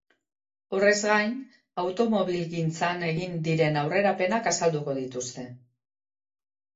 Horrez gain, automobilgintzan egin diren aurrerapenak azalduko dituzte.